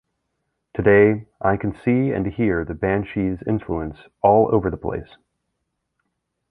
Today, I can see and hear the Banshees' influence all over the place.